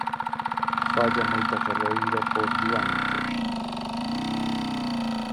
Falla moita carreira por diante.